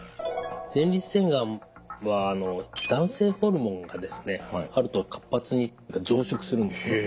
前立腺がんは男性ホルモンがあると活発に増殖するんです。